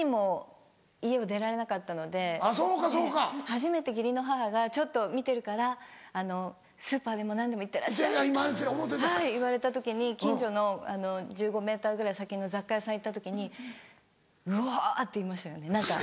初めて義理の母が「ちょっと見てるからスーパーでも何でも行ってらっしゃい」って言われた時に近所の１５ｍぐらい先の雑貨屋さん行った時に「うお」って言いましたよね何か。